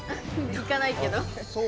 行かないけど。